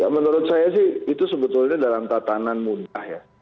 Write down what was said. menurut saya sih itu sebetulnya dalam tatanan mudah ya